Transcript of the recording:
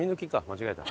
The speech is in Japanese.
間違えた。